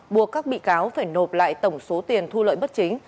buộc các bị cáo phải nộp lại tổng số tiền thu lợi bất chính